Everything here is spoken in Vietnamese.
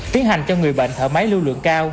tiến hành cho người bệnh thở máy lưu lượng cao